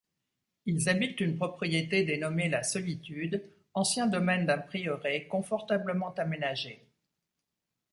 Ils habitent une propriété dénommée La Solitude, ancien domaine d’un prieuré, confortablement aménagé.